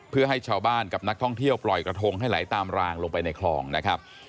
เพื่อให้ชาวบ้านกับนักท่องเที่ยวปล่อยกระทงให้ไหลตามรางลงไปในคลองนะครับ